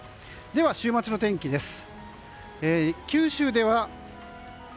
では週末の天気です。